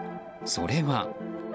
それは。